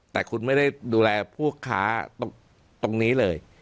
แต่คุณไม่ได้ดูแลผู้ค้าตรงนี้เลย